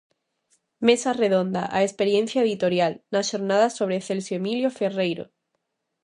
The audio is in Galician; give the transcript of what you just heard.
"Mesa redonda: a experiencia editorial", nas Xornadas sobre Celso Emilio Ferreiro.